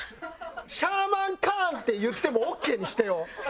「シャーマンカーン」って言ってもオーケーにしてよ？